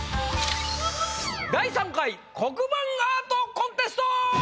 第３回黒板アートコンテスト！